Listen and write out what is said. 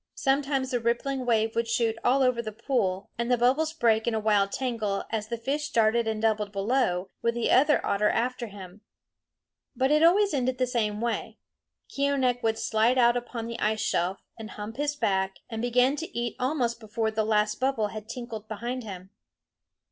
Sometimes the rippling wave would shoot all over the pool, and the bubbles break in a wild tangle as the fish darted and doubled below, with the otter after him. But it always ended the same way. Keeonekh would slide out upon the ice shelf, and hump his back, and begin to eat almost before the last bubble had tinkled behind him.